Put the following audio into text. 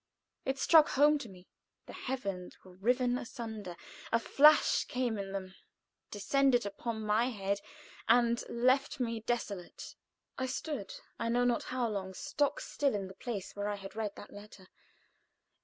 It struck home to me. The heavens were riven asunder a flash came from them, descended upon my head, and left me desolate. I stood, I know not how long, stock still in the place where I had read that letter.